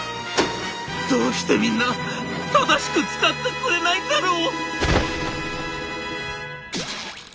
「どうしてみんな正しく使ってくれないんだろう」。